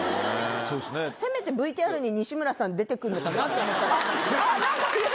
せめてＶＴＲに西村さん出てくるのかなと思ったら。